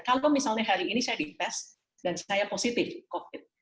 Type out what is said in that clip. kalau misalnya hari ini saya dites dan saya positif covid